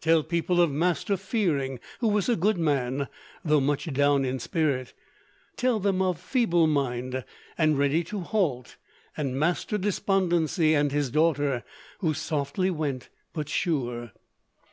Tell people of Master Fearing, who was a good man, though much down in spirit. Tell them of Feeble mind, and Ready to halt, and Master Despondency and his daughter, who 'softly went but sure.'